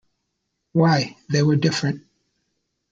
Why, they were different!